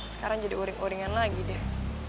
sekarang jadi uring oringan lagi deh